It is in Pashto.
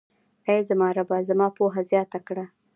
اې زما ربه، زما پوهه زياته کړه.